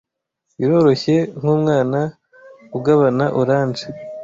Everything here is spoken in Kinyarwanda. biroroshye nkumwana ugabana orange